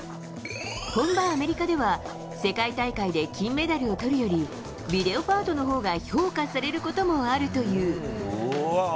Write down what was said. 本場アメリカでは世界大会で金メダルをとるよりビデオパートのほうが評価されることもあるという。